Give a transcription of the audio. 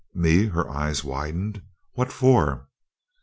"Me?" Her eyes widened. "What for?"